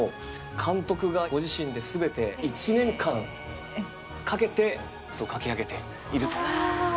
監督がご自身で全て１年間かけて描き上げていると。